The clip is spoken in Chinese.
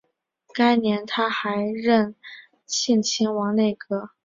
该年他还任庆亲王内阁的弼德院顾问大臣。